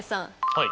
はい。